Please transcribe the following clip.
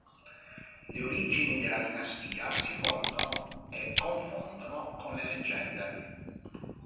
Le origini della dinastia si fondono e confondono con le leggende.